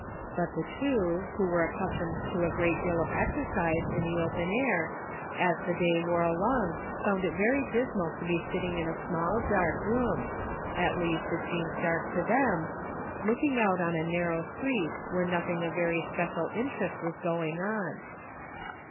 But the two, who were accustomed to a great deal of exercise in the open air, as the day wore along found it very dismal to be sitting in a small, dark room — at least, it seemed dark to them — looking out on a narrow street where nothing of very special interest was going on.